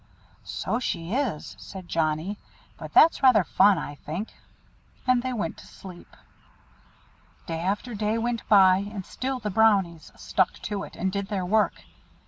"So she is," said Johnnie. "But that's rather fun, I think." And they went to sleep. Day after day went by, and still the Brownies "stuck to it," and did their work.